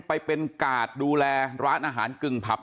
ไปเป็นกาดดูแลร้านอาหารกึ่งผับ